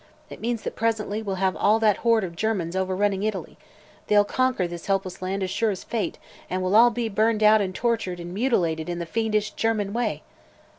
"It means that presently we'll have all that horde of Germans overrunning Italy. They'll conquer this helpless land as sure as fate, and we'll all be burned out and tortured and mutilated in the fiendish German way!"